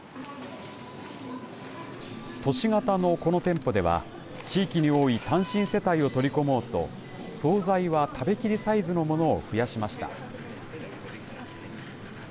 都市型のこの店舗では地域に多い単身世帯を取り込もうと総菜は、食べきりサイズのものを増やしました。